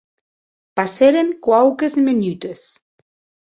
Passèren quauques menutes.